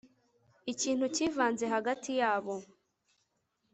Ikintu kivanze hagati yabo